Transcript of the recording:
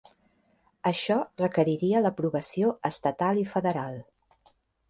Això requeriria l'aprovació estatal i federal.